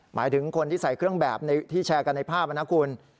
หมายถึงคนที่ใส่เครื่องแบบที่แชร์กันในภาพนะคุณ